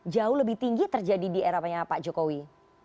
jauh lebih tinggi terjadi di era pak jokowi